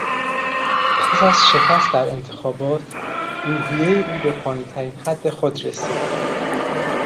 پس از شکست در انتخابات، روحیهی او به پایینترین حد خود رسید.